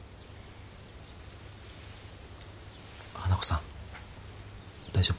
花子さん大丈夫か？